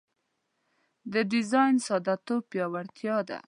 د ډیزاین ساده توب پیاوړتیا ده.